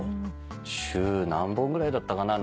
週何本ぐらいだったかな。